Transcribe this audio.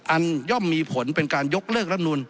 ย่อมมีผลเป็นการยกเลิกรับนูล